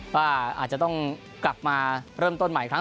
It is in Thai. ว่าอาจจะต้องกลับมาเริ่มต้นใหม่อีกครั้ง